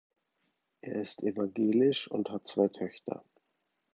Er ist evangelisch und hat zwei Töchter.